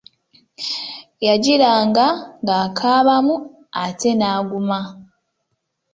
Yagiranga ng’akaabamu, ate n’aguma.